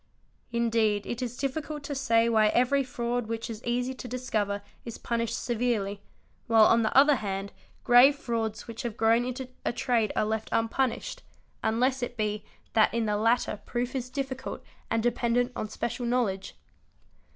Indeed, it is difficult to say why every fraud which is easy to discover, is punished severely, while on the other hand, grave frauds which have grown into a trade are left unpunished 844 CHEATING AND FRAUD unless it be that in the latter proof is difficult and dependent on special knowledge.